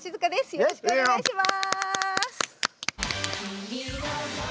よろしくお願いします。